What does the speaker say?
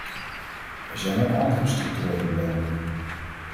Er zijn ook andere structurele belemmeringen.